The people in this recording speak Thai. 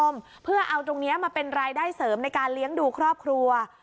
เศร้าตรงนี้ผันตัวมาขายอะไรคะ